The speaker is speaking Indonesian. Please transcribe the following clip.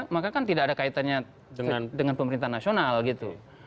maka kan tidak ada kaitannya dengan pemerintah nasional gitu